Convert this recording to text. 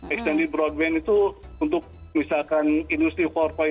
extended broadband itu untuk misalkan industri empat